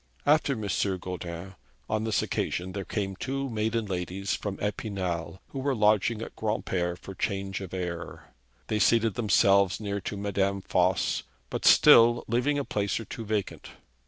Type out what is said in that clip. After M. Goudin, on this occasion, there came two maiden ladies from Epinal who were lodging at Granpere for change of air. They seated themselves near to Madame Voss, but still leaving a place or two vacant.